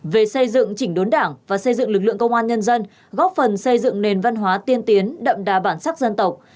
về xây dựng chỉnh đốn đảng và xây dựng lực lượng công an nhân dân góp phần xây dựng nền văn hóa tiên tiến đậm đà bản sắc dân tộc